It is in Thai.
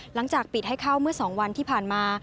หลังจากปิดให้เข้าเมื่อ๒วันที่ผ่านมา